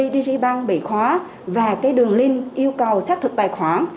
dg banh bị khóa và đường link yêu cầu xác thực bài khoản